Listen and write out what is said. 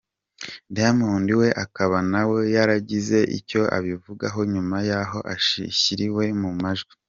Diamond we akaba nawe yaragize icyo abivugaho nyuma yaho ashyiriwe mu majwi.